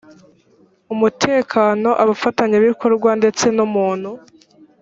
umutekano abafatanyabikorwa ndetse n umuntu